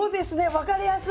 分かりやすい。